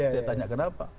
saya tanya kenapa